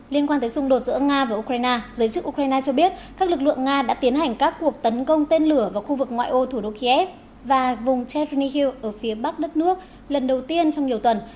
liên quan tới xung đột giữa nga và ukraine giới chức ukraine cho biết các lực lượng nga đã tiến hành các cuộc tấn công tên lửa vào khu vực ngoại ô thủ đô kiev và vùng chefrigu ở phía bắc đất nước lần đầu tiên trong nhiều tuần